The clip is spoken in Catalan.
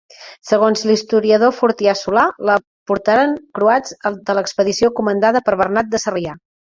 Segons l'historiador Fortià Solà, la portaren croats de l'expedició comandada per Bernat de Sarrià.